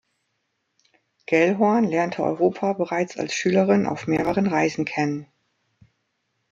Gellhorn lernte Europa bereits als Schülerin auf mehreren Reisen kennen.